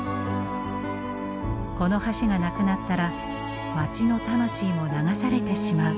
この橋がなくなったら街の魂も流されてしまう。